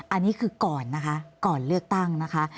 อันนี้คือก่อนนะคะก่อนเลือกตั้งนะคะ